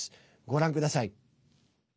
ご覧ください。